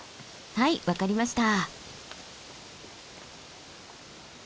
はい分かりました。